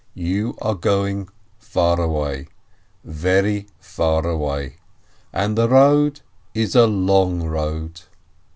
You are going far away, very far away, and the road is a long road."